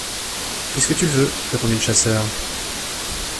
Puisque tu le veux, répondit le chasseur.